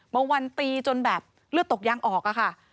เมื่อวันตีจนแบบเลือดตกยางออกค่ะ